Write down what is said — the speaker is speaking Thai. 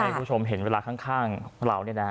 ให้คุณผู้ชมเห็นเวลาข้างของเราเนี่ยนะ